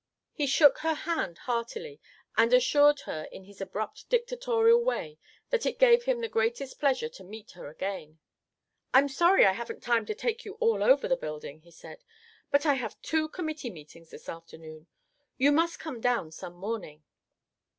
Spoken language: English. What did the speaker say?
He shook her hand heartily, and assured her in his abrupt dictatorial way that it gave him the greatest pleasure to meet her again. "I'm sorry I haven't time to take you all over the building," he said, "but I have two Committee meetings this afternoon. You must come down some morning."